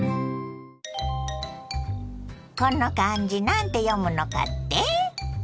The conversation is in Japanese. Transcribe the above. この漢字何て読むのかって？